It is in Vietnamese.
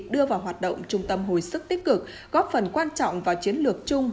đưa vào hoạt động trung tâm hồi sức tích cực góp phần quan trọng vào chiến lược chung